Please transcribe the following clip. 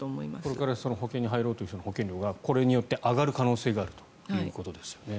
これから保険に入ろうという人の保険料がこれによって上がる可能性があるということですよね。